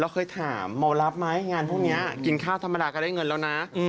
เคยถามโมรับไหมงานพวกนี้กินข้าวธรรมดาก็ได้เงินแล้วนะ